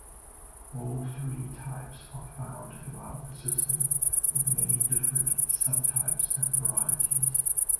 All three types are found throughout the system, with many different sub-types and varieties.